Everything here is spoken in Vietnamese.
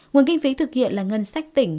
nguồn kinh phí thực hiện là ngân sách tỉnh